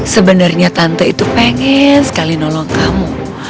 sebenarnya tante itu pengen sekali nolong kamu